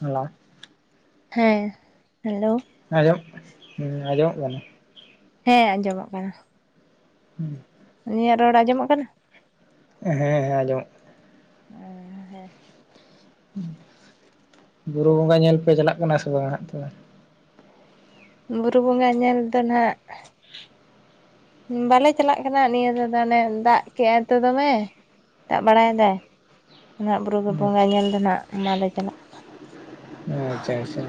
ᱦᱟᱞᱟ ᱦᱮᱸ ᱦᱮᱞᱳ ᱦᱮᱸ ᱟᱸᱡᱚᱢᱚᱜ ᱦᱩᱸ ᱟᱧᱡᱚᱢᱚᱜ ᱠᱟᱱᱟ ᱦᱮᱸ ᱟᱸᱡᱚᱢᱚᱜ ᱠᱟᱱᱟ ᱦᱩᱸ ᱤᱧᱟᱜ ᱨᱚᱲ ᱟᱸᱡᱚᱢᱚᱜ ᱠᱟᱱᱟ? ᱦᱮᱸ ᱦᱮᱸ ᱟᱧᱡᱚᱢᱚᱜ ᱚᱻ ᱦᱮᱸ᱾ ᱦᱩᱸ, ᱵᱩᱨᱩ ᱵᱚᱸᱜᱟ ᱧᱮᱞ ᱯᱮ ᱪᱟᱞᱟᱜ ᱠᱟᱱᱟ ᱥᱮ ᱵᱟ ᱦᱟᱸᱜ ᱛᱚᱵᱮ? ᱵᱩᱨᱩ ᱵᱚᱸᱜᱟ ᱧᱮᱞ ᱫᱚ ᱱᱟᱦᱟᱸᱜᱼᱼ ᱩᱢ‌ ᱵᱟᱞᱮ ᱪᱟᱞᱟᱜ ᱠᱟᱱᱟ ᱱᱤᱭᱟᱹ ᱫᱷᱟᱣ ᱫᱚ ᱚᱱᱮ ᱫᱟᱜ ᱠᱮᱜ- ᱟᱭ ᱛᱚ ᱫᱚᱢᱮ᱾ ᱛᱟᱜ ᱵᱟᱲᱟᱭ ᱫᱟᱭ ᱚᱱᱟ ᱵᱩᱨᱩ ᱫᱚ ᱵᱚᱝᱜᱟ ᱧᱮᱞ ᱫᱚ ᱱᱟᱦᱟᱸᱜ ᱢᱟᱞᱮ ᱪᱟᱞᱟᱜᱼᱼ ᱟᱪᱪᱷᱟ ᱟᱪᱷᱟ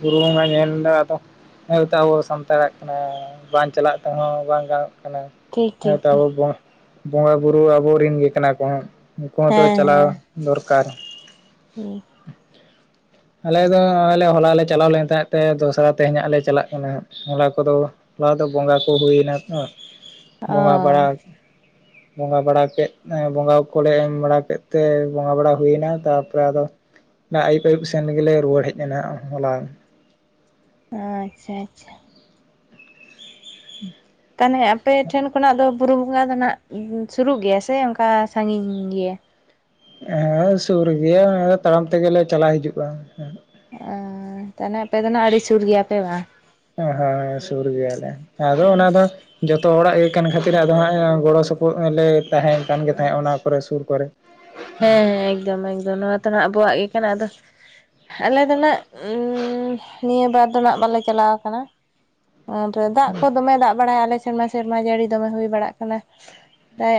ᱵᱩᱨᱩ ᱵᱚᱸᱜᱟ ᱧᱮᱞ ᱫᱚ ᱟᱫᱚᱼᱼ ᱦᱮᱸ ᱛᱚᱣ ᱟᱵᱚ ᱥᱟᱱᱛᱟᱲᱟᱜ ᱠᱟᱱᱟ ᱵᱟᱝ ᱪᱟᱞᱟᱜ ᱛᱮᱦᱚᱸ ᱵᱟᱝ ᱜᱟᱱᱚᱜ ᱠᱟᱱᱟ᱾ ᱴᱷᱤᱠ ᱴᱷᱤᱠ ᱦᱮᱸᱛᱚ ᱟᱵᱚ ᱵᱚᱸᱜᱟ ᱵᱚᱝᱜᱟ ᱵᱩᱨᱩ ᱟᱵᱩ ᱨᱤᱱ ᱜᱮ ᱠᱟᱱᱟ ᱠᱚ ᱦᱮᱸ ᱩᱱᱠᱩ ᱦᱚᱸ ᱛᱚ ᱦᱮᱸ ᱪᱟᱞᱟᱣᱼᱼ ᱫᱚᱨᱠᱟᱨ᱾ ᱦᱩᱸ᱾ ᱟᱞᱮ ᱫᱚ ᱦᱚᱸᱜ-ᱚᱭ ᱞᱮ ᱦᱚᱞᱟ ᱞᱮ ᱪᱟᱞᱟᱣ ᱞᱮᱱ ᱛᱟᱦᱮᱸᱜ ᱛᱮ ᱫᱚᱥᱨᱟ ᱛᱮᱦᱮᱧ ᱦᱟᱸᱜ ᱞᱮ ᱪᱟᱞᱟᱜ ᱠᱟᱱᱟ ᱦᱟᱸᱜ ᱦᱚᱞᱟ ᱠᱚᱫᱚ ᱦᱚᱞᱟ ᱫᱚ ᱵᱚᱸᱜᱟ ᱠᱚ ᱦᱩᱭ ᱱᱟ ᱛᱚ ᱚ ᱵᱚᱸᱜᱟ ᱵᱟᱲᱟ ᱵᱚᱸᱜᱟ ᱵᱟᱲᱟ ᱠᱮᱫ ᱮᱸ ᱵᱚᱸᱜᱟ ᱠᱚ ᱞᱮ ᱮᱢ ᱵᱟᱲᱟ ᱠᱮᱜ ᱛᱮ ᱵᱚᱸᱜᱟ ᱵᱟᱲᱟ ᱦᱩᱭ ᱱᱟ ᱛᱟᱨᱯᱚᱨᱮ ᱟᱫᱚ ᱱᱟ ᱟᱹᱭᱩᱵ ᱟᱹᱭᱩᱵ ᱥᱮᱱ ᱨᱮᱜᱮ ᱞᱮ ᱨᱩᱣᱟᱹᱲ ᱦᱮᱡ ᱮᱱᱟ ᱦᱟᱸᱜ ᱦᱚᱞᱟ ᱟᱸᱪᱪᱷᱟ ᱟᱪᱷᱟ᱾ [inaudible] ᱛᱟᱞᱦᱮ ᱟᱯᱮ ᱴᱷᱮᱱ ᱠᱷᱚᱱᱟᱜ ᱫᱚ ᱵᱩᱨᱩ ᱵᱚᱸᱜᱟ ᱫᱚ ᱱᱟᱦᱟᱸᱜ ᱥᱩᱨᱩᱜ ᱜᱮᱭᱟ ᱥᱮ ᱚᱱᱠᱟ ᱥᱟᱺᱜᱤᱧ ᱜᱮᱭᱟ? ᱮ ᱦᱮᱸ ᱥᱩᱨ ᱜᱮᱭᱟ ᱚᱭᱻ ᱛᱟᱲᱟᱢ ᱛᱮᱜᱮ ᱞᱮ ᱪᱟᱞᱟᱣ ᱦᱤᱡᱩᱜ-ᱟ [unintelligible] ᱚᱻ ᱛᱟᱦᱚᱞᱮ ᱟᱯᱮ ᱫᱚ ᱱᱟᱸᱜ ᱟᱹᱰᱤ ᱥᱩᱨ ᱜᱮᱭᱟᱯᱮ ᱵᱟᱝ᱾ ᱦᱮᱸ ᱥᱩᱨ ᱜᱮᱭᱟᱞᱮ ᱟᱫᱚ ᱚᱱᱟ ᱫᱚ ᱡᱷᱚᱛᱚ ᱦᱚᱲᱟᱜ ᱜᱮ ᱠᱟᱱ ᱠᱷᱟᱹᱛᱤᱨ ᱟᱫᱚ ᱦᱟᱸᱜ ᱜᱚᱲᱚ ᱥᱚᱯᱚᱦᱚᱫ ᱞᱮ ᱛᱟᱦᱮᱸ ᱠᱟᱱ ᱜᱮ ᱛᱟᱦᱮᱸᱫ ᱚᱱᱟ ᱠᱚᱨᱮ ᱥᱩᱨ ᱠᱚᱨᱮ ᱦᱮᱸ ᱦᱮᱸ ᱮᱠᱫᱚᱢ ᱮᱠᱫᱚᱢ ᱱᱚᱣᱟ ᱫᱚ ᱱᱟᱸᱜ ᱟᱵᱚᱣᱟᱜ ᱜᱮ ᱠᱟᱱᱟ ᱟᱫᱚ ᱟᱞᱮ ᱫᱚ ᱱᱟᱸᱜ ᱱᱤᱭᱟᱹ ᱵᱟᱨ ᱫᱚ ᱱᱟᱸᱜ ᱵᱟᱞᱮ ᱪᱟᱞᱟᱣ ᱠᱟᱱᱟ᱾ ᱟᱨ ᱫᱟᱜ ᱠᱚ ᱫᱚᱢᱮ ᱫᱟᱜ ᱵᱟᱲᱟᱭᱟ ᱟᱞᱮᱥᱮᱫ ᱥᱮᱨᱢᱟ ᱥᱮᱨᱢᱟ ᱡᱟᱹᱲᱤ ᱫᱚᱢᱮ ᱦᱩᱭ ᱵᱟᱲᱟᱜ ᱠᱟᱱᱟ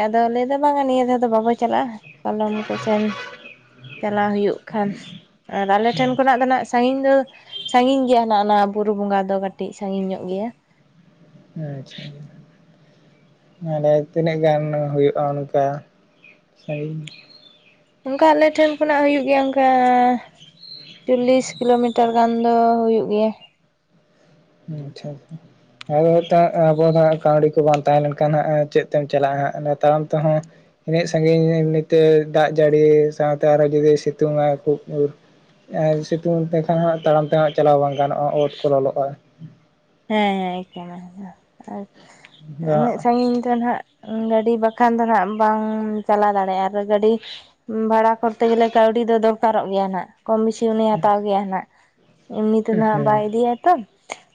ᱟᱫᱚ ᱞᱟᱹᱭᱮᱫᱟ ᱵᱟᱝᱟ ᱱᱤᱭᱟᱹ ᱫᱷᱟᱣ ᱫᱚ ᱵᱟᱵᱚ ᱪᱟᱞᱟᱜᱼᱟ᱾ ᱠᱟᱞᱚᱢ ᱠᱚᱥᱮᱱ ᱪᱟᱞᱟᱣ ᱦᱩᱭᱩᱜ ᱠᱷᱟᱱ ᱟᱨ ᱟᱞᱮ ᱴᱷᱮᱱ ᱠᱷᱚᱱᱟᱜ ᱫᱚ ᱟᱸᱱᱟᱜ ᱥᱟᱺᱜᱤᱧ ᱫᱚ ᱥᱟᱺᱜᱤᱧ ᱜᱮᱭᱟ ᱱᱟᱸᱜ ᱚᱱᱟ ᱵᱩᱨᱩ ᱵᱚᱸᱜᱟ ᱫᱚ ᱠᱟᱹᱴᱤᱡ ᱥᱟᱺᱜᱤᱧ ᱧᱚᱜ ᱜᱮᱭᱟ᱾ ᱟᱪᱪᱷᱟ ᱢᱟᱱᱮ ᱛᱤᱱᱟᱹᱜ ᱜᱟᱱ ᱦᱩᱭᱩᱜᱼᱟ ᱚᱱᱠᱟ ᱥᱟᱺᱜᱤᱧ ᱚᱱᱠᱟ ᱟᱞᱮ ᱴᱷᱮᱱ ᱠᱷᱚᱱᱟᱜ ᱦᱩᱭᱩᱜ ᱜᱮᱭᱟ ᱚᱱᱠᱟ ᱪᱚᱞᱞᱤᱥ ᱠᱤᱞᱳᱢᱤᱴᱟᱨ ᱜᱟᱱ ᱫᱚ ᱦᱩᱭᱩᱜ ᱜᱮᱭᱟ᱾ ᱟᱪᱪᱷᱟ ᱟᱫᱚ ᱟᱵᱚ ᱫᱚ ᱠᱟᱹᱣᱰᱤ ᱠᱚ ᱵᱟᱝ ᱛᱟᱦᱮᱸ ᱞᱮᱱᱠᱷᱟᱱ ᱪᱮᱫ ᱛᱮᱢ ᱪᱟᱞᱟᱜᱼᱟ ᱦᱟᱸᱜ ᱛᱟᱲᱟᱢ ᱛᱮᱦᱚᱸ ᱩᱱᱟᱹᱜ ᱥᱟᱺᱜᱤᱧ ᱮᱢᱱᱤᱛᱮ ᱫᱟᱜ ᱡᱟᱹᱲᱤ ᱥᱟᱶᱛᱮ ᱟᱨᱦᱚᱸ ᱡᱩᱫᱤ ᱥᱤᱛᱩᱝᱟ ᱠᱷᱩᱵ ᱡᱩᱨ ᱟᱨ ᱥᱤᱛᱩᱝ ᱛᱮᱠᱷᱟᱱ ᱦᱟᱸᱜ ᱛᱟᱲᱟᱢ ᱛᱮ ᱦᱟᱸᱜ ᱪᱟᱞᱟᱣ ᱵᱟᱝ ᱜᱟᱱᱚᱜᱼᱟ ᱚᱛ ᱠᱚ ᱞᱚᱞᱚᱜᱼᱟ᱾ ᱦᱮᱸ ᱦᱮᱸ ᱮᱠᱟᱹᱞ ᱟᱨ ᱩᱱᱟᱹᱜ ᱥᱟᱺᱜᱤᱧ ᱛᱚ ᱱᱟᱦᱟᱸᱜ ᱜᱟᱹᱰᱤ ᱵᱟᱠᱷᱟᱱ ᱫᱚ ᱱᱟᱦᱟᱸᱜ ᱵᱟᱝ ᱪᱟᱞᱟᱣ ᱫᱟᱲᱮᱭᱟᱜᱼᱟ ᱟᱨ ᱜᱟᱹᱰᱤ ᱵᱷᱟᱲᱟ ᱠᱚᱨᱛᱮ ᱜᱮᱞᱮ ᱠᱟᱹᱣᱰᱤ ᱫᱚ ᱫᱚᱨᱠᱟᱨᱚᱜ ᱜᱮᱭᱟ ᱱᱟᱜ᱾ ᱠᱚᱢ ᱵᱮᱥᱤ ᱩᱱᱤᱭ ᱦᱟᱛᱟᱣ ᱜᱮᱭᱟ ᱱᱟᱜ ᱮᱢᱱᱤ ᱛᱮ ᱦᱮᱸ ᱟᱸᱜ ᱵᱟᱭ ᱤᱫᱤᱭᱟ ᱛᱚ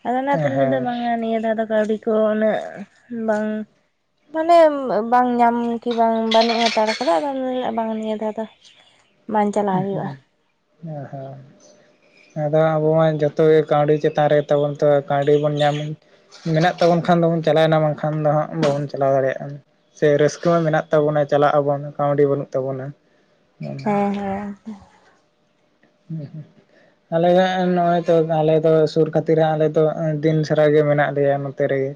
ᱟᱫᱚ ᱚᱱᱟ ᱛᱮ ᱞᱟᱹᱭ ᱫᱟ ᱦᱮᱸ ᱵᱟᱝᱟ ᱱᱤᱭᱟᱹ ᱫᱷᱟᱣ ᱫᱚ ᱠᱟᱹᱣᱰᱤ ᱠᱚ ᱩᱱᱟᱹᱜ ᱵᱟᱝ ᱢᱟᱱᱮ ᱵᱟᱝ ᱧᱟᱢ ᱠᱤ ᱵᱟᱝ ᱵᱟᱹᱱᱩᱜ ᱦᱟᱛᱟᱲ ᱠᱟᱫᱟ ᱟᱫᱚ ᱵᱟᱝ ᱱᱤᱭᱟᱹ ᱫᱷᱟᱹᱣ ᱫᱚ ᱵᱟᱝ ᱪᱟᱞᱟᱣ ᱦᱮᱸ ᱦᱩᱭᱩᱜᱼᱟ ᱦᱮᱸ ᱟᱫᱚ ᱟᱵᱚ ᱢᱟ ᱡᱚᱛᱚ ᱜᱮ ᱠᱟᱹᱣᱰᱤ ᱪᱮᱛᱟᱱ ᱨᱮ ᱛᱟᱵᱚᱱ ᱛᱚ ᱠᱟᱹᱣᱰᱤ ᱵᱚᱱ ᱧᱟᱢ ᱢᱮᱱᱟᱜ ᱛᱟᱵᱚᱱ ᱠᱷᱟᱱ ᱫᱚᱵᱚᱱ ᱪᱟᱞᱟᱣᱮᱱᱟ ᱵᱟᱝᱠᱷᱟᱱ ᱫᱚ ᱦᱟᱸᱜ ᱵᱟᱵᱚᱱ ᱪᱟᱞᱟᱣ ᱫᱟᱲᱮᱭᱟᱜᱼᱟ, ᱥᱮ ᱨᱟᱹᱥᱠᱟᱹ ᱦᱚᱸ ᱢᱮᱱᱟᱜ ᱛᱟᱵᱚᱱᱟ ᱪᱟᱞᱟᱜ ᱟᱵᱚᱱ ᱠᱟᱹᱣᱰᱤ ᱵᱟᱹᱱᱩᱜ ᱛᱟᱵᱚᱱᱟ, ᱟᱞᱮ ᱦᱮᱸ ᱦᱮᱸ ᱦᱮᱸ ᱦᱮᱸ ᱦᱩᱸ ᱟᱞᱮᱭᱟᱜ ᱱᱚᱜᱚᱭ ᱛᱚ ᱟᱞᱮ ᱫᱚ ᱥᱩᱨ ᱠᱷᱟᱹᱛᱤᱨ ᱟᱞᱮ ᱫᱚ ᱫᱤᱱ ᱥᱟᱨᱟ ᱜᱮ ᱢᱮᱱᱟᱜ ᱞᱮᱭᱟ, ᱱᱚᱛᱮ ᱨᱮᱜᱮ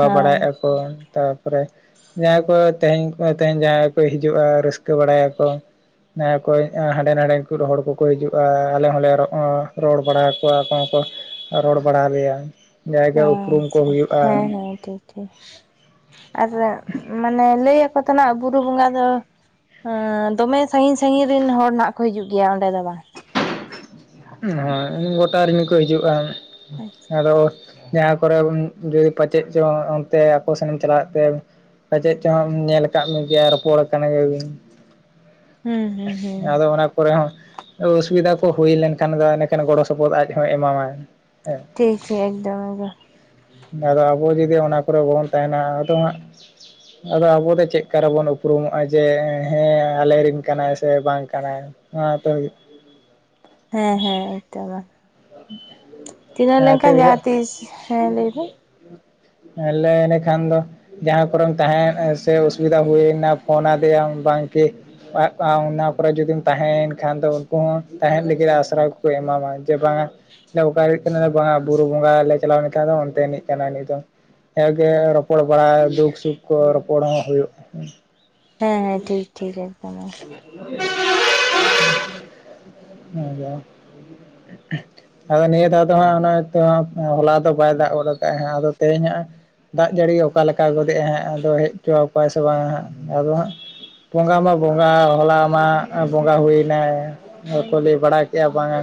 ᱦᱮᱸ ᱦᱳᱭ ᱦᱳᱭ ᱵᱟᱲᱟᱭᱮᱫᱼᱟ ᱠᱚ ᱛᱟᱨ ᱛᱟᱨᱯᱚᱨᱮ ᱡᱟᱦᱟᱸᱭ ᱠᱚ ᱛᱮᱦᱮᱧ ᱛᱮᱦᱤᱧ ᱡᱟᱦᱟᱸᱭ ᱠᱚ ᱦᱤᱡᱩᱜᱼᱟ ᱨᱟᱹᱥᱠᱟᱹ ᱵᱟᱲᱟᱭᱟᱠᱚ, ᱚᱠᱚᱭ ᱦᱟᱸᱰᱮ ᱱᱟᱰᱮ ᱦᱚᱲ ᱠᱚ, ᱠᱚ ᱦᱤᱡᱩᱜᱼᱟ ᱟᱞᱮ ᱦᱚᱸᱞᱮ ᱨᱚᱲ ᱵᱟᱲᱟᱣᱟ ᱟᱠᱚᱦᱚᱸ ᱟᱠᱚ ᱦᱚᱠᱚ ᱨᱚᱲ ᱵᱟᱲᱟ ᱟᱞᱮᱭᱟ, ᱡᱟᱭᱜᱟ ᱩᱯᱨᱩᱢ ᱠᱚ ᱟᱪᱪᱷᱟ ᱟᱪᱪᱷᱟ ᱦᱩᱭᱩᱜᱼᱟ, ᱦᱮᱸ ᱦᱮᱸ ᱴᱷᱤᱠ ᱴᱷᱤᱠ ᱟᱨ ᱢᱟᱱᱮ ᱞᱟᱹᱭ ᱟᱠᱚ ᱛᱮ ᱵᱩᱨᱩ ᱵᱚᱸᱜᱟ ᱫᱚ ᱫᱚᱢᱮ, ᱥᱟᱺᱜᱤᱧ ᱥᱟᱺᱜᱤᱧ ᱨᱮᱱ ᱦᱚᱲ ᱱᱟᱜ ᱠᱚ ᱦᱤᱡᱩᱜ ᱜᱮᱭᱟ ᱚᱸᱰᱮ ᱫᱚ ᱵᱟᱝ, ᱦᱳᱭ ᱜᱚᱴᱟ ᱨᱮᱱ ᱜᱮᱠᱚ ᱦᱤᱡᱩᱜᱼᱟ ᱟᱪᱪᱷᱟ ᱟᱫᱚ, ᱟᱪᱪᱷᱟ᱾ ᱡᱟᱦᱟᱸ ᱠᱚᱨᱮ ᱡᱩᱫᱤ ᱯᱟᱪᱮᱫ ᱪᱚᱝ ᱚᱱᱛᱮ ᱟᱠᱚ ᱥᱮᱱᱮᱢ ᱪᱟᱞᱟᱜ ᱛᱮ, ᱯᱟᱪᱮᱫ ᱪᱚᱦᱚᱢ ᱧᱮᱞ ᱟᱠᱟᱫ ᱢᱮᱜᱮᱭᱟ ᱨᱚᱯᱚᱲ ᱠᱟᱱᱟ ᱜᱮᱵᱤᱱ, ᱦᱩᱸ ᱦᱩᱸ ᱦᱩᱸ ᱟᱫᱚ ᱚᱱᱟ ᱠᱚᱨᱮ ᱦᱚᱸ ᱚᱥᱩᱵᱤᱫᱟ ᱠᱚ ᱦᱩᱭ ᱞᱮᱱᱠᱷᱟᱱ, ᱠᱷᱟᱱ ᱫᱚ ᱮᱱᱟᱠᱷᱟᱱ ᱜᱚᱲᱚ ᱥᱚᱯᱚᱦᱚᱫ ᱟᱡ ᱦᱚᱸ ᱮᱢᱟᱢᱟᱭ ᱦᱮᱸ, ᱴᱷᱤᱠ ᱜᱮ ᱮᱠᱫᱚᱢ ᱮᱠᱫᱚᱢ, ᱟᱫᱚ ᱟᱵᱚ ᱡᱩᱫᱤ ᱚᱱᱟ ᱠᱚᱨᱮ ᱵᱚᱱ ᱛᱟᱦᱮᱱᱟ ᱟᱫᱚ ᱦᱟᱸᱜ, ᱟᱫᱚ ᱟᱵᱚ ᱫᱚ ᱪᱮᱫᱠᱟ ᱨᱮᱵᱚᱱ ᱩᱯᱨᱩᱢᱚᱜᱼᱟ ᱡᱮ ᱦᱮᱸ ᱟᱞᱮᱨᱮᱱ ᱠᱟᱱᱟᱭ ᱥᱮ ᱵᱟᱝ ᱠᱟᱱᱟᱭ, ᱚᱱᱟ ᱦᱚᱛᱚ ᱦᱩᱭᱩᱜ, ᱦᱮᱸ ᱦᱮᱸ ᱮᱫᱚᱢ ᱪᱤᱱᱟᱹᱜ ᱚᱱᱟ ᱞᱮᱱᱠᱷᱟᱱ ᱠᱷᱟᱹᱛᱤᱨ ᱡᱟᱦᱟᱸ ᱛᱤᱥ ᱦᱮᱸ ᱞᱟᱹᱭ ᱵᱤᱱ, ᱟᱞᱮ ᱤᱱᱟ ᱠᱷᱟᱱ ᱫᱚ, ᱡᱟᱦᱟᱸ ᱠᱚᱨᱮᱢ ᱛᱟᱦᱮᱸᱦᱱᱟ ᱥᱮ ᱚᱥᱩᱵᱤᱫᱷᱟ ᱦᱩᱭᱱᱟ ᱯᱷᱳᱱᱫᱮᱭ ᱵᱟᱝᱠᱤ, ᱚᱱᱟ ᱠᱚᱨᱮ ᱡᱩᱫᱤᱢ ᱛᱟᱦᱮᱸᱭᱮᱱ ᱠᱷᱟᱱ ᱫᱚ ᱩᱱᱠᱩ ᱦᱚᱸ ᱛᱟᱦᱮᱸᱱ ᱞᱟᱹᱜᱤᱫ ᱟᱥᱨᱟ ᱠᱚᱠᱚ ᱮᱢᱟᱢᱟ ᱡᱮ ᱵᱟᱝ-ᱟ, ᱟ ᱚᱠᱟᱨᱮᱡ ᱠᱟᱱᱟᱞ ᱵᱟᱝᱟ ᱵᱩᱨᱩ ᱵᱚᱸᱜᱟ ᱞᱮ ᱪᱟᱞᱟᱣ ᱞᱮ ᱛᱟᱦᱮᱸ ᱫᱚ ᱚᱱᱛᱮᱱᱤᱡ ᱠᱟᱱᱟ ᱩᱱᱤ ᱫᱚ ᱦᱮᱸᱮ ᱨᱚᱯᱚᱲ ᱵᱟᱲᱟ ᱫᱩᱠ ᱥᱩᱠ ᱠᱚ ᱨᱚᱯᱚᱲ ᱦᱚᱸ ᱦᱩᱭᱩᱜᱼᱟᱸ ᱦᱮᱸ ᱦᱮᱸ ᱴᱷᱤᱠ ᱴᱷᱤᱠ ᱮᱠᱫᱚᱢᱮ, [inaudible] ᱟᱫᱚ ᱱᱤᱭᱟᱹ ᱫᱷᱟᱣ ᱫᱚ ᱦᱟᱸᱜ ᱱᱚᱜ-ᱚᱭ ᱛᱚ ᱦᱟᱸᱜ ᱦᱚᱞᱟ ᱫᱚ ᱵᱟᱭ ᱫᱟᱜ ᱜᱚᱫ ᱠᱟᱜᱼᱟ ᱟᱫᱚ ᱛᱮᱦᱤᱧ ᱦᱟᱸᱜ, ᱫᱟᱜ ᱡᱟᱹᱲᱤ ᱚᱠᱟ ᱞᱮ ᱞᱮᱠᱟ ᱜᱚᱫᱮᱜᱟᱭ ᱦᱟᱸᱜ ᱟᱫᱚ ᱦᱮᱡ ᱦᱚᱪᱚ ᱠᱚᱣᱟᱭ ᱥᱮ ᱵᱟᱝᱟ ᱟᱫᱚ ᱦᱟᱸᱜ, ᱵᱚᱸᱜᱟ ᱢᱟ ᱵᱚᱸᱜᱟ ᱦᱚᱞᱟ ᱢᱟ ᱵᱚᱸᱜᱟ ᱦᱩᱭᱮᱱᱟᱭ, ᱦᱚᱲ ᱠᱚ ᱞᱟᱹᱭ ᱵᱟᱲᱟ ᱠᱮᱜ-ᱟ ᱵᱟᱝ-ᱟ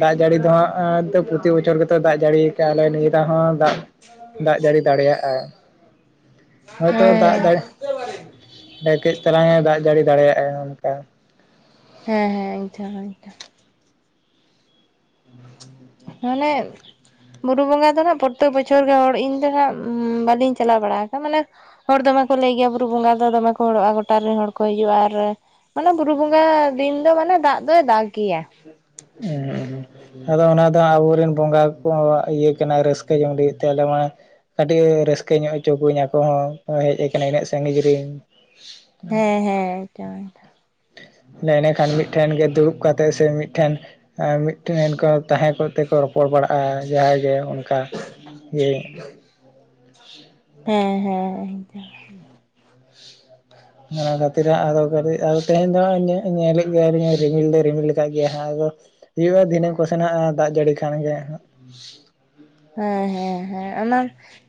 ᱫᱟᱜ ᱡᱟᱹᱲᱤ ᱫᱚ ᱦᱟᱸᱜ ᱯᱨᱚᱛᱤ ᱵᱚᱪᱷᱚᱨ ᱜᱮᱛᱚ ᱫᱟᱜ ᱡᱟᱹᱲᱤᱭ ᱠᱟᱜᱞᱮ ᱱᱤᱭᱟᱹ ᱫᱟᱣ ᱦᱚᱸ ᱫᱟᱜ, ᱫᱟᱜ ᱡᱟᱹᱲᱤ ᱫᱟᱲᱮᱭᱟᱜᱟᱭ ᱦᱚᱭᱛᱚ ᱦᱮᱸ ᱫᱟᱜ ᱫᱟᱲᱮ ᱦᱮᱸ ᱠᱟᱹᱡ ᱛᱟᱞᱟᱝ ᱮ ᱫᱟᱜ ᱡᱟᱹᱲᱤ ᱫᱟᱲᱮᱭᱟᱜᱼᱟ ᱚᱱᱠᱟ, ᱦᱮᱸ ᱦᱮᱸ ᱤᱧ ᱴᱷᱟ ᱤᱧᱷᱟ, [inaudible] ᱢᱟᱱᱮ, ᱵᱩᱨᱩ ᱵᱚᱸᱜᱟ ᱫᱚ ᱦᱟᱸᱜ ᱯᱨᱚᱛᱛᱮᱠ ᱵᱚᱪᱷᱚᱨ ᱜᱮ ᱦᱚᱲ ᱤᱧ ᱫᱚ ᱦᱟᱸᱜ ᱵᱟᱹᱞᱤᱧ ᱪᱟᱞᱟᱣ ᱵᱟᱲᱟ ᱠᱟᱱᱟ ᱢᱟᱱᱮ, ᱦᱚᱲ ᱫᱚᱢᱮ ᱠᱚ ᱞᱟᱹᱭ ᱜᱮᱭᱟ ᱵᱩᱨᱩ ᱵᱚᱸᱜᱟ ᱫᱚ ᱫᱚᱢᱮ ᱠᱚ ᱦᱚᱲᱚᱜᱼᱟ ᱜᱚᱴᱟ ᱨᱮᱱ ᱦᱚᱲ ᱠᱚ ᱦᱤᱡᱩᱜᱼᱟ ᱟᱨ, ᱢᱟᱱᱮ ᱵᱩᱨᱩ ᱵᱚᱸᱜᱟ ᱫᱤᱱ ᱫᱚ ᱢᱟᱱᱮ ᱫᱟᱜ ᱫᱚᱭ ᱫᱟᱜ ᱜᱮᱭᱟ, ᱩᱸ ᱩᱸᱻ ᱟᱫᱚ ᱚᱱᱟ ᱫᱚ ᱟᱵᱚᱨᱮᱱ ᱵᱚᱸᱜᱟ ᱠᱚ ᱤᱭᱟᱹ ᱠᱟᱱᱟ ᱨᱟᱹᱥᱠᱟᱹ ᱡᱚᱝ ᱞᱟᱹᱜᱤᱫ ᱛᱮ ᱟᱞᱮ ᱢᱟ ᱟᱹᱰᱤ ᱨᱟᱹᱥᱠᱟᱹ ᱧᱚᱜ ᱦᱚᱪᱚ ᱠᱩᱣᱟᱧ ᱟᱠᱚ ᱦᱚᱸ ᱦᱮᱡ ᱟᱠᱟᱱᱟ ᱤᱱᱟᱹᱜ ᱥᱟᱺᱜᱤᱧ ᱨᱮᱱ ᱦᱮᱸ ᱦᱮᱸ ᱮᱸᱰᱮᱠᱷᱟᱱ ᱢᱤᱫᱴᱷᱮᱱ ᱜᱮ ᱫᱩᱲᱩᱵ ᱠᱟᱛᱮᱫ ᱥᱮ ᱢᱤᱫᱴᱷᱮᱱ ᱢᱤᱫᱴᱮᱱ ᱠᱚ ᱛᱟᱦᱮᱸ ᱠᱟᱛᱮᱠᱚ ᱨᱚᱯᱚᱲ ᱵᱟᱲᱟᱜᱼᱟ ᱡᱟᱦᱟᱸᱭ ᱜᱮ ᱚᱱᱠᱟ ᱦᱮᱸ [inaudible] ᱦᱮᱸ ᱦᱮᱸ ᱚᱱᱟ ᱠᱷᱟᱹᱛᱤᱨ ᱟᱫᱚ ᱠᱟᱴᱤᱡ ᱟᱫᱚ ᱛᱮᱦᱮᱧ ᱫᱚ ᱧᱮᱞᱮᱫ ᱜᱮᱭᱟᱧ ᱨᱤᱢᱤᱞ ᱫᱚ ᱨᱤᱢᱤᱞ ᱠᱟᱫ ᱜᱮᱭᱟ ᱦᱟᱸᱜ ᱟᱫᱚ ᱦᱩᱭᱩᱜᱼᱟ ᱫᱷᱤᱱᱟᱹᱱ ᱠᱚᱥᱮ ᱱᱟᱜ ᱫᱟᱜ ᱡᱟᱹᱲᱤ ᱠᱷᱟᱱ ᱜᱮ ᱦᱟᱜ ᱦᱮᱸ ᱦᱮᱸ ᱦᱮᱸ ᱚᱱᱟ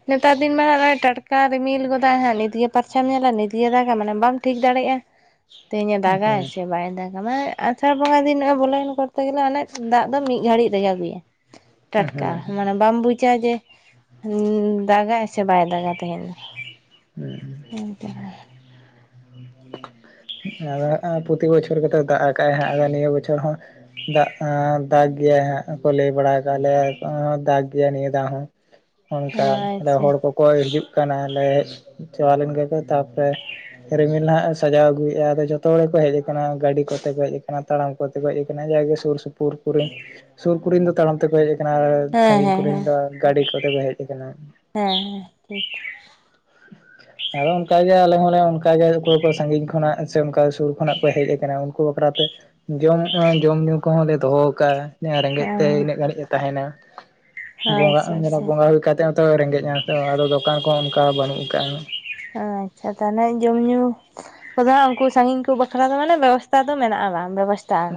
ᱱᱮᱛᱟᱨ ᱫᱤᱱ ᱢᱟ ᱱᱚᱜᱼᱚᱭ ᱴᱟᱴᱠᱟ ᱨᱤᱢᱤᱞ ᱜᱚᱫᱟᱭ ᱦᱟᱸᱜ ᱱᱤᱛᱜᱮ ᱯᱟᱨᱪᱟᱢ ᱧᱮᱞᱟ ᱱᱤᱛᱜᱮ ᱨᱟᱜᱟ ᱢᱟᱱᱮ ᱵᱟᱢ ᱴᱷᱤᱠ ᱫᱟᱲᱮᱭᱟᱜᱼᱟ [inaudible] ᱛᱮᱦᱮᱧᱮ ᱫᱟᱜᱟᱭ ᱦᱮᱸ ᱥᱮ ᱵᱟᱭ ᱫᱟᱜᱟ ᱢᱟᱱᱮ ᱟᱨ ᱟᱥᱟᱲ ᱵᱚᱸᱜᱟ ᱫᱤᱱ ᱱᱚ ᱵᱚᱞᱚᱭᱮᱱ ᱠᱚᱨᱛᱮ ᱜᱮᱞᱮ ᱚᱱᱮ ᱫᱟᱜ ᱫᱚ ᱢᱤᱫ ᱜᱷᱟᱹᱲᱤᱡ ᱨᱮᱜᱮ ᱟᱹᱜᱩᱭᱟ ᱦᱮᱸ ᱴᱟᱴᱠᱟ ᱦᱮᱸ ᱢᱟᱱᱮ ᱵᱟᱢ ᱵᱩᱡᱟ ᱡᱮ ᱫᱟᱜᱟᱭ ᱥᱮ ᱵᱟᱭ ᱫᱟᱜᱟ ᱛᱟᱦᱮᱧ ᱫᱚ [inaudible] ᱟᱫᱚ ᱯᱨᱚᱛᱤ ᱵᱚᱪᱷᱚᱨ ᱜᱮᱛᱚᱭ ᱫᱟᱜ ᱟᱠᱟᱜᱟᱭ ᱦᱟᱜ ᱟᱫᱚ ᱱᱤᱭᱟᱹ ᱵᱚᱪᱷᱚᱨ ᱦᱚᱸ ᱫᱟᱜᱽ ᱮᱸ ᱫᱟᱜ ᱜᱮᱭᱟᱭ ᱦᱟᱜ ᱠᱚᱞᱮᱭ ᱵᱲᱟ ᱠᱟᱜ ᱞᱮᱭᱟ ᱠᱚ ᱫᱟᱜ ᱜᱮᱭᱟᱭ ᱱᱤᱭᱟ. ᱫᱷᱟᱣ ᱦᱚᱸ ᱚᱱᱠᱟ ᱟᱨᱚ ᱟᱪᱪᱷᱟ ᱦᱚᱲ ᱠᱚ ᱠᱚᱭ ᱦᱤᱡᱩᱜ ᱠᱟᱱᱟ ᱞᱮ ᱪᱟᱵᱟ ᱞᱮᱱ ᱜᱮᱠᱚ ᱛᱟᱯᱚᱨᱮ ᱨᱤᱢᱤᱞ ᱱᱟᱦᱟᱜ ᱥᱟᱡᱟᱣ ᱟᱹᱜᱩᱭᱮᱫᱼᱟ ᱟᱫᱚ ᱡᱚᱛᱚ ᱦᱚᱲ ᱠᱚ ᱦᱮᱡ ᱟᱠᱟᱱᱟ ᱜᱟᱹᱰᱤ ᱠᱚᱛᱮ ᱠᱚ ᱦᱮᱡ ᱟᱠᱟᱱᱟ ᱛᱟᱲᱟᱢ ᱠᱚᱛᱮ ᱠᱚ ᱦᱮᱡ ᱟᱠᱟᱱᱟ ᱡᱟᱜᱮ ᱥᱩᱨ ᱥᱩᱯᱩᱨ ᱥᱩᱯᱩᱨ ᱠᱚᱨᱮᱱ ᱥᱩᱨ ᱠᱚᱨᱮᱱ ᱫᱚ ᱛᱟᱲᱟᱢ ᱛᱮᱠᱚ ᱦᱮᱡ ᱚᱱᱟ ᱦᱮᱸ ᱦᱮᱸ ᱥᱟᱹᱜᱤᱧ ᱦᱮᱸ ᱠᱚᱨᱮᱱ ᱫᱚ ᱜᱟᱹᱰᱤ ᱠᱚᱛᱮ ᱠᱚ ᱦᱮᱡ ᱟᱠᱟᱱᱟ ᱦᱮᱸ ᱦᱮᱸ ᱴᱷᱤᱠ [inaudible] ᱟᱫᱚ ᱚᱱᱠᱟᱜᱮ ᱟᱞᱮ ᱦᱚᱸᱞᱮ ᱚᱱᱠᱟᱜᱮ ᱚᱠᱚᱭ ᱠᱚ ᱥᱟᱺᱜᱤᱧ ᱠᱷᱚᱱᱟᱜ ᱥᱮ ᱚᱱᱠᱟ ᱥᱩᱨ ᱠᱷᱚᱱᱟᱜ ᱠᱚ ᱦᱮᱡ ᱟᱠᱟᱱᱟ ᱩᱱᱠᱩ ᱵᱟᱠᱷᱨᱟᱛᱮ ᱡᱚᱢ ᱡᱚᱢ ᱧᱩᱩ ᱠᱚᱦᱚᱸ ᱞᱮ ᱫᱚᱦᱚ ᱠᱟᱜᱼᱟ ᱡᱟᱦᱟᱭ ᱨᱮᱸᱜᱮᱡ ᱦᱮᱸ ᱛᱮ ᱤᱱᱟᱹᱜ ᱜᱷᱟᱹᱲᱤᱡ ᱮ ᱛᱟᱦᱮᱱᱟ ᱵᱚᱸᱜᱟ ᱟᱪᱪᱷᱟ ᱟᱪᱪᱷᱟ ᱵᱚᱸᱜᱟ ᱦᱩᱭ ᱠᱟᱛᱮᱫ ᱦᱚᱸ ᱛᱚ ᱨᱮᱸᱜᱮᱡ ᱟᱛᱚ ᱟᱫᱚ ᱫᱚᱠᱟᱱ ᱠᱚᱦᱚᱸ ᱚᱱᱠᱟ ᱵᱟᱹᱱᱩᱜ ᱟᱠᱟᱜᱼᱟ ᱟᱪᱪᱷᱟ ᱛᱟᱦᱚᱞᱮ ᱡᱚᱢ ᱧᱩ ᱟᱫᱚ ᱩᱱᱠᱩ ᱥᱟᱺᱜᱤᱧ ᱠᱚ ᱵᱟᱠᱷᱨᱟ ᱫᱚ ᱢᱟᱱᱮ ᱵᱮᱵᱚᱥᱛᱷᱟ ᱫᱚ ᱢᱮᱱᱟᱜᱼᱟ ᱵᱟᱝ ᱵᱮᱵᱚᱥᱛᱷᱟ ᱦ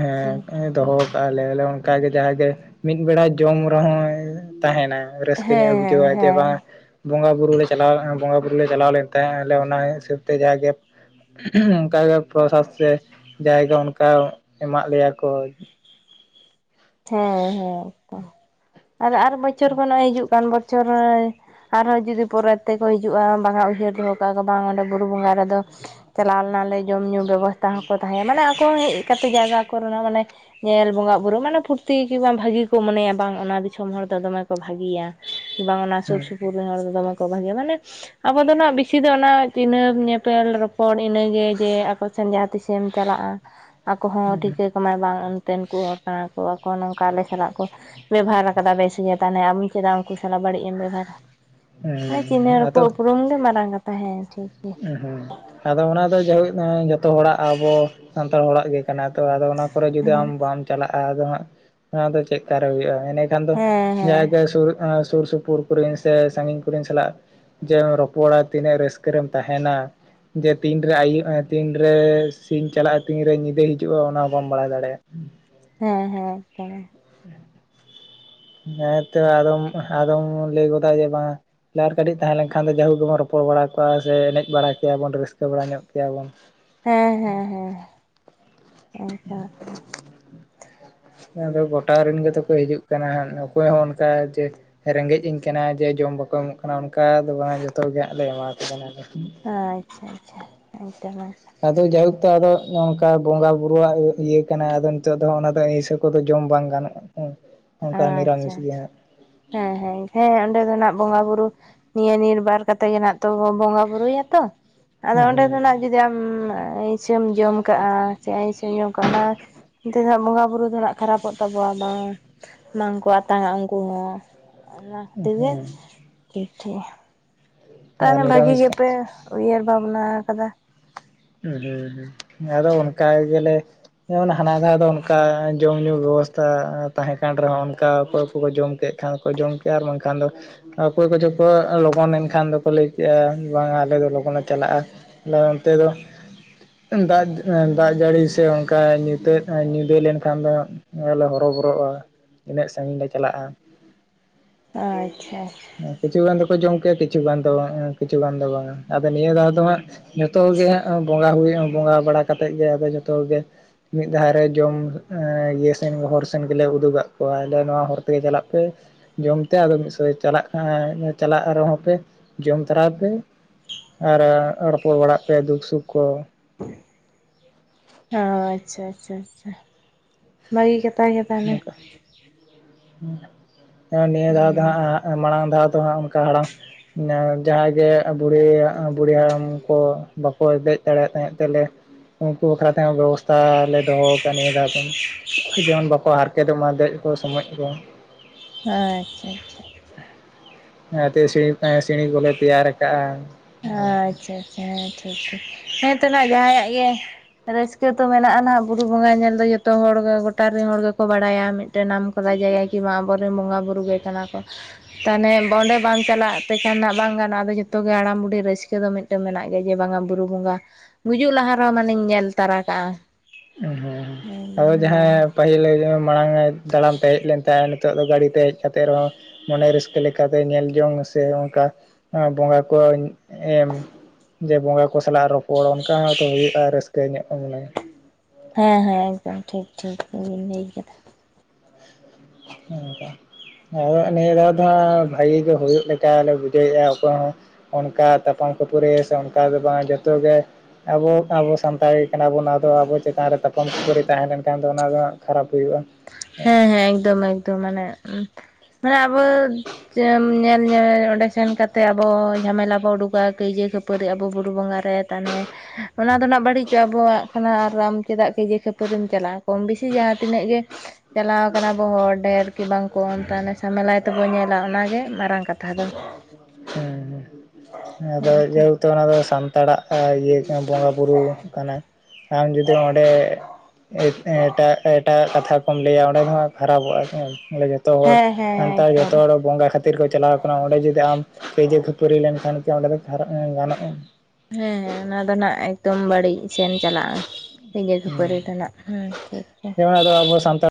ᱦᱮᱸ ᱮ ᱦᱮᱸ ᱫᱚᱦᱚ ᱠᱟᱜᱼᱟᱞᱮ ᱟᱞᱮ ᱦᱚᱸ ᱚᱱᱠᱟᱜᱮ ᱡᱟᱦᱟᱸᱜᱮ ᱢᱤᱫ ᱵᱮᱲᱟᱭ ᱡᱚᱢ ᱨᱮᱦᱚᱸ ᱛᱟᱦᱮᱱᱟ ᱨᱟᱹᱥᱠᱟᱹ ᱧᱚᱜ ᱮ ᱦᱮᱸ ᱵᱩᱡᱷᱟᱹᱣᱟ ᱡᱮ ᱦᱮᱸ ᱵᱟᱝ ᱵᱚᱸᱜᱟ ᱵᱩᱨᱩ ᱞᱮ ᱪᱟᱞᱟᱣ ᱵᱚᱸᱜᱟ ᱵᱩᱨᱩ ᱞᱮ ᱪᱟᱞᱟᱣ ᱞᱮᱱ ᱛᱟᱦᱮᱸ ᱟᱞᱮ ᱚᱱᱟ ᱦᱤᱥᱟᱹᱵ ᱛᱮ ᱡᱟᱜᱮ ᱚᱱᱠᱟᱜᱮ ᱯᱨᱚᱥᱟᱫ ᱥᱮ ᱡᱟᱭᱜᱮ ᱚᱱᱠᱟ ᱮᱢᱟᱜ ᱞᱮᱭᱟ ᱠᱚ ᱦᱮᱸ ᱦᱮᱸ ᱛᱚ ᱟᱨ ᱟᱨ ᱵᱚᱪᱷᱚᱨ ᱠᱷᱚᱱᱟᱜ ᱦᱤᱡᱩᱜ ᱠᱟᱱ ᱵᱚᱪᱷᱚᱨ ᱦᱚᱭ ᱟᱨᱦᱚᱸ ᱡᱩᱫᱤ ᱯᱚᱨᱮ ᱛᱮᱠᱚ ᱦᱤᱡᱩᱜᱼᱟ ᱵᱟᱝᱟ ᱩᱭᱦᱟᱹᱨ ᱫᱚᱦᱚ ᱠᱟᱜᱼᱟ ᱠᱚ ᱵᱟᱝ ᱚᱸᱰᱮ ᱵᱩᱨᱩ ᱵᱚᱸᱜᱟ ᱨᱮᱫᱚ ᱪᱟᱞᱟᱣ ᱞᱮᱱᱟᱞᱮ ᱡᱚᱢᱼ ᱧᱩ ᱵᱮᱵᱚᱥᱛᱷᱟ ᱦᱚᱸᱠᱚ ᱛᱟᱦᱮ ᱢᱟᱱᱮ ᱟᱠᱚ ᱦᱮᱡ ᱠᱟᱛᱮᱫ ᱡᱟᱭᱜᱮ ᱟᱠᱚᱨᱮᱱᱟᱜ ᱢᱟᱱᱮ ᱧᱮᱞ ᱵᱚᱸᱜᱟ ᱵᱩᱨᱩ ᱢᱟᱱᱮ ᱯᱷᱩᱨᱛᱤ ᱠᱤ ᱵᱟᱝ ᱵᱷᱟᱜᱤ ᱠᱚ ᱢᱚᱱᱮᱭᱟ ᱵᱟᱝ ᱚᱱᱟ ᱫᱤᱥᱚᱢ ᱦᱚᱲ ᱫᱚ ᱫᱚᱢᱮ ᱠᱚ ᱵᱷᱟᱜᱮᱭᱟ ᱵᱟᱝ ᱚᱱᱟ ᱥᱩᱨ ᱦᱮᱸ ᱥᱩᱯᱩᱨ [inaudible] ᱫᱚᱢᱮ ᱠᱚ ᱵᱷᱟᱜᱤᱭᱟ ᱢᱟᱱᱮ ᱟᱵᱚ ᱫᱚ ᱱᱟᱜ ᱵᱮᱥᱤ ᱫᱚ ᱚᱱᱟ ᱪᱤᱱᱦᱟᱹᱯ ᱧᱮᱯᱮᱞ ᱨᱚᱯᱚᱲ ᱤᱱᱟᱹᱜᱮ ᱡᱮ ᱟᱠᱚ ᱥᱮ ᱡᱟᱦᱟᱸ ᱛᱤᱥᱮᱢ ᱪᱟᱞᱟᱜᱼᱟ ᱟᱠᱚ ᱦᱚᱸ ᱴᱷᱤᱠᱟᱹ ᱠᱚᱟᱢᱟᱭ ᱵᱟᱝ ᱚᱱᱛᱮᱱ ᱠᱚ ᱦᱚᱲ ᱠᱟᱱᱟ ᱠᱚ ᱠᱚ ᱱᱚᱝᱠᱟ ᱟᱞᱮ ᱥᱟᱞᱟᱜ ᱠᱚ ᱵᱮᱵᱟᱨ ᱟᱠᱟᱫᱟ ᱵᱮᱥ ᱜᱮ ᱛᱟᱦᱚᱞᱮ ᱟᱢ ᱪᱮᱫᱟᱜ ᱩᱱᱠᱩ ᱥᱟᱞᱟᱜ ᱵᱟᱹᱲᱤᱡ ᱮᱢ ᱵᱮᱵᱦᱟᱨᱟ ᱾ ᱦᱮ ᱦᱮᱸ ᱪᱤᱱᱦᱟᱹᱣ ᱟᱫᱚ ᱨᱚᱯᱚᱲ ᱩᱯᱨᱩᱢ ᱜᱮ ᱢᱟᱨᱟᱝ ᱠᱟᱛᱷᱟ ᱦᱮᱸ ᱴᱷᱤᱠ ᱜᱮᱭᱟ ᱾ ᱦᱩᱸ ᱟᱫᱚ ᱚᱱᱟ ᱫᱚ ᱡᱟᱭᱦᱳᱠ ᱡᱚᱛᱚ ᱦᱚᱲᱟᱜ ᱟᱵᱚ ᱥᱟᱱᱛᱟᱲ ᱦᱚᱲᱟᱜ ᱜᱮ ᱠᱟᱱᱟ ᱛᱚ ᱟᱫᱚ ᱚᱱᱟ ᱯᱚᱨᱮ ᱡᱩᱫᱤ ᱦᱮᱸ ᱟᱢ ᱵᱟᱢ ᱪᱟᱞᱟᱜᱼᱟ ᱟᱫᱚ ᱦᱟᱸᱜ ᱚᱱᱟ ᱫᱚ ᱪᱮᱫᱠᱟᱨᱮ ᱦᱩᱭᱩᱜᱼᱟ ᱮᱸᱰᱮᱠᱷᱟᱱ ᱫᱚ ᱡᱟᱭᱜᱟ ᱥᱩᱨ ᱥᱩᱨ ᱥᱩᱯᱩᱨ ᱠᱚᱨᱮᱱ ᱥᱮ ᱥᱟᱺᱜᱤᱧ ᱠᱚᱨᱮᱱ ᱥᱟᱞᱟᱜ ᱡᱮᱢ ᱨᱚᱯᱚᱲᱟ ᱛᱤᱱᱟᱹᱜ ᱨᱟᱹᱥᱠᱟᱹ ᱨᱮᱢ ᱛᱟᱦᱮᱱᱟ ᱡᱮ ᱛᱤᱱᱨᱮ ᱟᱭᱭᱩᱵ ᱛᱤᱱᱨᱮ ᱥᱤᱧ ᱪᱟᱞᱟᱜᱼᱟ ᱛᱤᱱᱨᱮ ᱧᱤᱫᱟᱹ ᱦᱤᱡᱩᱜᱼᱟ ᱚᱱᱟ ᱦᱚᱸ ᱵᱟᱢ ᱵᱟᱲᱟᱭ ᱫᱟᱲᱮᱭᱟᱜᱼᱟ ᱾ ᱦᱮᱸ ᱦᱮᱸ [unintelligible] ᱾ [unintelligible] ᱦᱮᱸ ᱛᱚ ᱟᱫᱚᱢ ᱟᱫᱚᱢ ᱞᱟᱹᱭ ᱜᱚᱫ ᱡᱮ ᱵᱟᱝᱟ ᱞᱟᱹᱭᱟ ᱟᱨ ᱠᱟᱹᱴᱤᱡ ᱛᱟᱦᱮᱸ ᱞᱮᱱᱠᱷᱟᱱ ᱫᱚ ᱡᱟᱹᱦᱩ ᱜᱮᱵᱚᱱ ᱨᱚᱯᱚᱲ ᱵᱟᱲᱟ ᱠᱚᱜ-ᱟ ᱥᱮ ᱮᱱᱮᱡ ᱵᱟᱲᱟ ᱠᱮᱭᱟ ᱵᱚᱱ ᱨᱟᱹᱥᱠᱟᱹ ᱵᱟᱲᱟ ᱧᱚᱜ ᱠᱮᱭᱟᱵᱚᱱ ᱾ ᱦᱮᱸ ᱦᱮᱸ ᱦᱮᱸ ᱟᱪᱷᱟ [unintelligible] ᱾ ᱟᱫᱚ ᱜᱚᱴᱟ ᱨᱮᱱ ᱜᱮᱛᱚ ᱠᱚ ᱦᱤᱡᱩᱜ ᱠᱟᱱᱟ ᱦᱟᱸᱜ ᱚᱠᱚᱭ ᱦᱚᱸ ᱚᱱᱠᱟ ᱡᱮ ᱨᱮᱸᱜᱮᱡ ᱩᱹᱧ ᱠᱟᱱᱟ ᱡᱮ ᱡᱚᱢ ᱵᱟᱠᱚ ᱮᱢᱚᱜ ᱠᱟᱱᱟ ᱚᱱᱠᱟ ᱫᱚ ᱵᱟᱝ ᱡᱚᱛᱚ ᱜᱮ ᱦᱟᱸᱜ ᱞᱮ ᱮᱢᱟ ᱠᱚ ᱠᱟᱱᱟ ᱞᱮ ᱾ ᱟᱪᱪᱷᱟ ᱟᱪᱪᱷᱟ ᱮᱠᱫᱚᱢᱮ ᱟᱫᱚ ᱡᱟᱭᱦᱳᱠ ᱛᱚ ᱟᱫᱚ ᱚᱝᱠᱟ ᱵᱚᱸᱜᱟ ᱵᱩᱨᱩᱣᱟᱜ ᱤᱭᱟᱹ ᱠᱟᱱᱟ ᱟᱫᱚ ᱱᱤᱛᱚᱜ ᱫᱚ ᱚᱱᱟ ᱫᱚ ᱟᱹᱭᱤᱥᱟᱹ ᱠᱚᱫᱚ ᱡᱚᱢ ᱵᱟᱝ ᱜᱟᱱᱚᱜᱼᱟ ᱾ ᱦᱮᱸ ᱾ ᱟᱪᱪᱷᱟ ᱟᱪᱪᱷᱟ ᱦᱮᱸ ᱦᱮᱸ ᱦᱮᱸ ᱚᱸᱰᱮ ᱫᱚ ᱱᱟᱜ ᱵᱚᱸᱜᱟ ᱵᱩᱨᱩ ᱱᱤᱭᱟᱹ ᱱᱤᱨᱵᱟᱨ ᱠᱟᱛᱮ ᱜᱮ ᱱᱟᱜ ᱛᱚ ᱵᱚᱸᱜᱟ ᱵᱩᱨᱩᱭᱟᱛᱚ ᱟᱫᱚ ᱚᱸᱰᱮ ᱫᱚ ᱱᱟᱜ ᱦᱩᱸ ᱡᱩᱫᱤ ᱟᱢ ᱟᱹᱭᱥᱟᱹᱢ ᱡᱚᱢ ᱠᱟᱜᱼᱟ ᱥᱮ ᱟᱹᱭᱥᱟᱹᱢ ᱡᱚᱢ ᱠᱟᱜᱼᱟ ᱚᱱᱟ ᱚᱱᱛᱮ ᱫᱚ ᱦᱟᱜ ᱵᱚᱸᱜᱟ ᱵᱩᱨᱩ ᱫᱚ ᱦᱟᱜ ᱠᱷᱟᱨᱟᱯᱚᱜ ᱛᱟᱵᱚᱣᱟ ᱵᱟᱝᱟ ᱾ ᱵᱟᱝᱠᱚ ᱟᱛᱟᱝᱟ ᱩᱱᱠᱩ ᱦᱚᱸ ᱚᱱᱟ ᱠᱷᱟᱹᱛᱤᱨ ᱜᱮ ᱦᱩᱸ ᱴᱷᱤᱠ [unintelligible] ᱾ ᱟᱨ ᱛᱟᱦᱞᱮ ᱵᱷᱟᱜᱤ ᱱᱤᱨᱟᱢᱤᱥ ᱜᱮᱯᱮ ᱩᱭᱦᱟᱹᱨ ᱵᱷᱟᱵᱱᱟ ᱟᱠᱟᱫᱟ ᱾ ᱦᱩᱸ ᱦᱩᱸ ᱟᱫᱚ ᱚᱱᱠᱟ ᱜᱮᱞᱮ ᱡᱮᱢᱚᱱ ᱦᱟᱱᱟ ᱫᱷᱟᱣ ᱫᱚ ᱚᱱᱠᱟ ᱡᱚᱢ ᱧᱩ ᱵᱮᱵᱚᱥᱛᱟ ᱛᱟᱦᱮᱸ ᱠᱟᱱ ᱨᱮᱦᱚᱸ ᱚᱱᱠᱟ ᱚᱠᱚᱭ ᱠᱚ ᱠᱚ ᱡᱚᱢ ᱠᱮᱫ ᱠᱷᱟᱱ ᱠᱚ ᱡᱚᱢ ᱠᱮᱜ-ᱟ ᱟᱨ ᱵᱟᱝᱠᱷᱟᱱ ᱫᱚ ᱚᱠᱚᱭ ᱠᱚᱪᱚ ᱠᱚ ᱞᱚᱜᱚᱱ ᱮᱱᱠᱷᱟᱱ ᱫᱚᱠᱚ ᱞᱟᱹᱭ ᱠᱮᱜᱼᱟ ᱵᱟᱝᱟ ᱟᱞᱮ ᱫᱚ ᱞᱚᱜᱚᱱ ᱞᱮ ᱪᱟᱞᱟᱜᱼᱟ ᱾ ᱚᱱᱛᱮ ᱫᱚ ᱫᱟᱜ ᱫᱟᱜ ᱡᱟᱹᱲᱤ ᱥᱮ ᱚᱱᱠᱟ ᱧᱩᱛᱟᱹ ᱧᱤᱫᱟᱹ ᱞᱮᱱᱠᱷᱟᱱ ᱫᱚ ᱞᱮ ᱦᱚᱨᱚᱵᱚᱨᱚᱜᱼᱟ ᱤᱱᱟᱹᱜ ᱥᱟᱺᱜᱤᱧ ᱞᱮ ᱪᱟᱞᱟᱜᱼᱟ ᱾ ᱟᱪᱪᱷᱟ ᱟᱪᱪᱷᱟ [unintelligible] ᱠᱤᱪᱷᱩ ᱜᱟᱱ ᱫᱚᱠᱚ ᱡᱚᱢ ᱠᱮᱜ-ᱟ ᱠᱤᱪᱷᱩ ᱜᱟᱱ ᱫᱚ ᱵᱟᱝᱟ, ᱟᱫᱚ ᱱᱤᱭᱟᱹ ᱫᱷᱟᱣ ᱫᱚ ᱦᱟᱸᱜ ᱡᱚᱛᱚᱜ ᱜᱮ ᱦᱟᱸᱜ ᱵᱚᱸᱜᱟ ᱦᱩᱭᱩᱜᱼᱟ, ᱵᱚᱸᱜᱟ ᱵᱟᱲᱟ ᱠᱟᱛᱮᱫ ᱜᱮ ᱟᱫᱚ ᱡᱚᱛᱚ ᱜᱮ ᱢᱤᱫ ᱫᱷᱟᱨᱣ ᱨᱮ ᱡᱚᱢ ᱤᱭᱟᱹ ᱥᱮᱱ ᱦᱚᱨ ᱥᱮᱱ ᱜᱮᱞᱮ ᱩᱫᱩᱜᱟᱜ ᱠᱚᱣᱟ ᱞᱮ ᱱᱚᱣᱟ ᱦᱚᱨ ᱛᱮᱜᱮ ᱪᱟᱞᱟᱜ ᱯᱮ ᱾ ᱡᱚᱢ ᱛᱮ ᱟᱫᱚ ᱢᱤᱫ [unintelligible] ᱪᱟᱞᱟᱜ ᱠᱟᱱᱟ ᱪᱟᱞᱟᱜ ᱨᱮᱦᱚᱸ ᱯᱮ ᱡᱚᱢ ᱛᱚᱨᱟᱭ ᱯᱮ ᱾ ᱟᱨ ᱨᱚᱯᱚᱲ ᱵᱟᱲᱟᱜ ᱯᱮ ᱫᱩᱠ ᱥᱩᱠ ᱠᱚ ᱾ ᱚ ᱟᱪᱪᱷᱟ ᱟᱪᱪᱷᱟ ᱟᱪᱪᱷᱟ ᱵᱷᱟᱜᱤ ᱠᱟᱛᱷᱟ ᱜᱮ ᱛᱟᱦᱞᱮ ᱾ ᱮᱸ ᱱᱤᱭᱟᱹ ᱫᱷᱟᱣ ᱫᱚ ᱦᱟᱸᱜ ᱢᱟᱲᱟᱝ ᱫᱷᱟᱣ ᱫᱚ ᱦᱟᱸᱜ ᱚᱱᱠᱟ ᱦᱟᱲᱟᱢ ᱡᱟᱦᱟᱸᱭ ᱜᱮ ᱵᱩᱲᱦᱤ ᱵᱩᱲᱦᱤ ᱦᱟᱲᱟᱢ ᱠᱚ ᱵᱟᱠᱚ ᱫᱮᱡ ᱫᱟᱲᱮᱭᱟᱜ ᱛᱟᱦᱮᱸᱫ ᱛᱮᱞᱮ ᱼᱼ ᱩᱝᱠᱩ ᱵᱟᱠᱷᱨᱟ ᱛᱮᱦᱚᱸ ᱵᱮᱵᱚᱥᱛᱷᱟ ᱞᱮ ᱫᱚᱦᱚ ᱠᱟᱜ-ᱟ ᱱᱤᱭᱟ. ᱫᱷᱟᱣ ᱠᱷᱚᱱ ᱡᱮᱢᱚᱱ ᱵᱟ ᱠᱚ ᱦᱟᱨᱠᱮᱛᱚᱜ ᱢᱟ ᱫᱮᱡ ᱠᱚ ᱥᱚᱢᱚᱡ ᱠᱚ ᱾ ᱟᱪᱪᱷᱟ ᱟᱪᱪᱷᱟ ᱾ ᱚᱱᱟ ᱛᱮ ᱥᱤᱬᱤ ᱮᱸ ᱥᱤᱬᱤ ᱠᱚᱞᱮ ᱛᱮᱭᱟᱨ ᱠᱟᱜᱼᱟ ᱾ ᱟᱪᱪᱷᱟ ᱟᱪᱪᱷᱟ ᱦᱮᱸ ᱴᱷᱤᱠ ᱴᱷᱤᱠ ᱦᱮᱸ ᱛᱟᱦᱞᱮ ᱡᱟᱦᱟᱸᱭᱟᱜ ᱜᱮ ᱾ ᱨᱟᱹᱥᱠᱟᱹ ᱛᱚ ᱢᱮᱱᱟᱜᱼᱟ ᱱᱟᱜ ᱵᱩᱨᱩ ᱵᱚᱸᱜᱟ ᱧᱮᱞ ᱫᱚ ᱡᱚᱛᱚ ᱦᱚᱲ ᱜᱚᱴᱟ ᱨᱤᱱ ᱦᱚᱲ ᱜᱮᱠᱚ ᱵᱟᱲᱟᱭᱟ ᱢᱤᱫᱴᱮᱱ ᱱᱟᱢ ᱼᱼ [unintelligible] ᱟᱵᱚ ᱨᱮᱱ ᱵᱚᱸᱜᱟ ᱵᱩᱨᱩ ᱜᱮ ᱠᱟᱱᱟ ᱠᱚ᱾ ᱛᱟᱦᱮᱸᱱᱮ ᱵᱚᱸᱰᱮ ᱵᱟᱝ ᱪᱟᱞᱟᱜ ᱛᱮᱠᱷᱟᱱ ᱱᱟᱜ ᱵᱟᱝ ᱜᱟᱱᱚᱜᱼᱟ ᱟᱫᱚ ᱡᱷᱚᱛᱚ ᱜᱮ ᱦᱟᱲᱟᱢ ᱵᱩᱰᱦᱤ ᱨᱟᱹᱥᱠᱟᱹ ᱫᱚ ᱢᱤᱫᱴᱟᱹᱱ ᱢᱮᱱᱟᱜ ᱜᱮ ᱡᱮ ᱵᱟᱝ-ᱟ ᱵᱩᱨᱩ ᱵᱚᱸᱜᱟ ᱜᱩᱡᱩᱜ ᱞᱟᱦᱟ ᱨᱮᱦᱚᱸ ᱢᱟᱱᱮᱧ ᱧᱮᱞ ᱛᱟᱨᱟ ᱠᱟᱜᱼᱟ᱾ ᱩᱸ ᱦᱩᱸ ᱦᱮᱸ ᱟᱫᱚ ᱦᱮᱸ ᱡᱟᱦᱟᱸᱭ ᱯᱟᱦᱤᱞ ᱢᱟᱲᱟᱝ ᱛᱟᱲᱟᱢ ᱛᱮ ᱦᱮᱡ ᱞᱮᱱ ᱛᱟᱦᱮᱸᱫ ᱱᱤᱛᱚᱜ ᱫᱚ ᱜᱟᱰᱤ ᱛᱮ ᱦᱮᱡ ᱠᱟᱛᱮ ᱨᱮᱦᱚᱸ ᱢᱚᱱᱮ ᱨᱟᱹᱥᱠᱟᱹ ᱞᱮᱠᱟ ᱛᱮ ᱧᱮᱞ ᱡᱚᱝ ᱥᱮ ᱚᱝᱠᱟ ᱵᱚᱸᱜᱟ ᱠᱚᱼᱼ ᱮᱢ ᱡᱮ ᱵᱚᱸᱜᱟ ᱠᱚ ᱥᱟᱞᱟᱜ ᱨᱚᱯᱚᱲ ᱚᱱᱠᱟ ᱦᱚᱸᱛᱚ ᱦᱩᱭᱩᱜᱼᱟ ᱨᱟᱹᱥᱠᱟᱹ ᱧᱚᱜ ᱢᱟᱱᱮ᱾ ᱦᱮᱸ ᱦᱮᱸ ᱮᱠᱫᱚᱢ ᱴᱷᱤᱠ ᱴᱷᱤᱠᱵᱤᱱ ᱞᱟᱹᱭ ᱠᱮᱫᱟ᱾ [unintelligible] ᱟᱫᱚ ᱱᱤᱭᱟᱹ ᱫᱷᱟᱣ ᱫᱚ ᱦᱟᱸᱜ ᱵᱷᱟᱜᱤ ᱜᱮ ᱦᱩᱭᱩᱜ ᱞᱮᱠᱟ ᱞᱮ ᱵᱩᱡᱷᱟᱹᱣᱮᱫᱼᱟ ᱚᱠᱚᱭ ᱦᱚᱸ ᱚᱱᱠᱟ ᱛᱟᱯᱟᱢ ᱠᱷᱟᱹᱯᱟᱹᱨᱤ ᱥᱮ ᱚᱱᱠᱟ ᱫᱚ ᱵᱟᱝ ᱡᱚᱛᱚᱜ ᱜᱮ ᱟᱵᱚ ᱟᱵᱚ ᱥᱟᱱᱛᱟᱲᱤ ᱠᱟᱱᱟ ᱵᱚᱱ ᱟᱫᱚ ᱟᱵᱚ ᱪᱮᱛᱟᱱ ᱨᱮ ᱛᱟᱯᱟᱢ ᱠᱷᱟᱹᱯᱟᱹᱨᱤ ᱛᱟᱦᱮᱸ ᱞᱮᱱᱠᱷᱟᱱ ᱫᱚ ᱚᱱᱟ ᱫᱚ ᱠᱷᱟᱨᱟᱯ ᱦᱩᱭᱩᱜᱼᱟ ᱾ ᱦᱮᱸ ᱦᱮᱸ ᱮᱠᱫᱚᱢ ᱮᱠᱫᱚᱢ ᱢᱟᱱᱮ ᱢᱟᱱᱮ ᱟᱵᱚ ᱧᱮᱞ ᱧᱮᱞ ᱚᱸᱰᱮ ᱥᱮᱱ ᱠᱟᱛᱮ ᱛᱮ ᱟᱵᱚ ᱡᱷᱟᱢᱮᱞᱟ ᱵᱚ ᱩᱰᱩᱠᱟᱼᱟ ᱠᱟᱹᱭᱡᱟᱹ ᱠᱷᱟᱹᱯᱟᱹᱨᱤ ᱟᱵᱚ ᱵᱩᱨᱩ ᱵᱚᱸᱜᱟ ᱨᱮ ᱛᱟᱦᱟᱞᱮ ᱚᱱᱟ ᱫᱚ ᱟᱸᱱᱟᱜ ᱵᱟᱹᱲᱤᱡᱚᱜᱼᱟ ᱟᱵᱚᱣᱟᱜ ᱠᱷᱱᱟ ᱟᱨ ᱟᱢ ᱪᱮᱫᱟᱜ ᱠᱟᱹᱭᱡᱟᱹ ᱠᱷᱟᱹᱯᱟᱹᱨᱤᱢ ᱪᱟᱞᱟᱜᱼᱟ ᱠᱚᱢ ᱵᱮᱥᱤ ᱡᱟᱦᱟᱸ ᱛᱤᱱᱟᱹᱜ ᱜᱮ ᱪᱟᱞᱟᱣ ᱟᱠᱟᱱᱟ ᱵᱚ ᱦᱚᱲ ᱰᱷᱮᱨ ᱠᱤ ᱵᱟᱝᱠᱚ ᱠᱚ ᱛᱟᱦᱚᱞᱮ ᱥᱟᱢᱮᱞᱟᱭ ᱛᱮᱵᱚ ᱧᱮᱞᱟ ᱚᱱᱟᱜ ᱜᱮ ᱢᱟᱨᱟᱝ ᱠᱟᱛᱷᱟ ᱫᱚ᱾ ᱦᱮᱸ ᱦᱮᱸᱛᱚ ᱟᱫᱚ [unintelligible] ᱛᱚ ᱚᱱᱟ ᱫᱚ ᱥᱟᱱᱛᱟᱲᱟᱜ ᱤᱭᱟᱹ ᱠᱟᱱᱟ ᱵᱚᱸᱜᱟ ᱵᱩᱨᱩ ᱠᱟᱱᱟ ᱟᱢ ᱡᱩᱫᱤ ᱚᱸᱰᱮ ᱮᱴᱟᱜ ᱮᱴᱟᱜ ᱠᱟᱛᱷᱟ ᱠᱚᱢ ᱞᱟᱹᱭᱟ ᱚᱸᱰᱮ ᱫᱚ ᱦᱟᱸᱜ ᱠᱷᱟᱨᱟᱯᱚᱜᱼᱟ ᱥᱮ ᱦᱮᱸ [unintelligible] ᱦᱮᱸ ᱥᱟᱱᱛᱟᱲ ᱮᱠᱫᱚᱢ ᱡᱚᱛᱚ ᱦᱚᱲ ᱵᱚᱸᱜᱟ ᱠᱷᱟᱹᱛᱤᱨ ᱠᱚ ᱪᱟᱞᱟᱣ ᱠᱟᱱᱟ ᱚᱸᱰᱮ ᱡᱩᱫᱤ ᱟᱢ ᱠᱟᱹᱭᱡᱟᱹ ᱠᱷᱟᱹᱯᱟᱹᱨᱤ ᱞᱮᱱᱠᱷᱟᱱ ᱜᱮ ᱚᱸᱰᱮ ᱫᱚ [unintelligible] ᱜᱟᱱᱚᱜᱼᱟ᱾ ᱦᱮᱸ ᱦᱮᱸ ᱚᱱᱟ ᱫᱚ ᱱᱟᱜ ᱮᱠᱫᱚᱢ ᱵᱟᱹᱲᱤᱡ ᱥᱮᱱ ᱪᱟᱞᱟᱜ-ᱟ᱾ ᱠᱟᱹᱭᱡᱟᱹ ᱠᱷᱟᱹᱯᱟᱹᱨᱤ ᱫᱚ ᱱᱟᱜ ᱩᱸ ᱴᱷᱤᱠ ᱴᱷᱤᱠ᱾ ᱡᱮᱢᱚᱱ ᱟᱫᱚ ᱟᱵᱚ ᱥᱟᱱᱛᱟᱲ